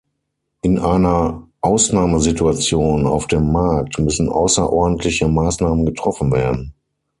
In einer Ausnahmesituation auf dem Markt müssen außerordentliche Maßnahmen getroffen werden.